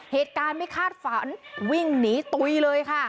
เหตุการณ์ไม่คาดฝันวิ่งหนีตุยเลยค่ะ